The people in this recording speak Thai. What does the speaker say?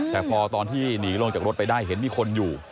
แต่พอตอนที่หนีลงจากรถไปได้เห็นมีคนอยู่